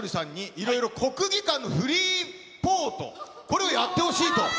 いろいろ国技館のフリーリポート、これをやってほしいと。